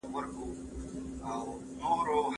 شاګرده خپله څېړنه په پوره غور سره پرمخ بوځه.